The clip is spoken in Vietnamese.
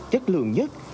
chất lượng nhất